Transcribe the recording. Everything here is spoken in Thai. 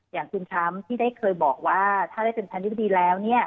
อย่างคุณทรัมป์ที่ได้เคยบอกว่าถ้าได้เป็นพันธิบดีแล้ว